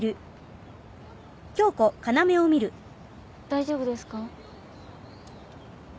大丈夫ですか？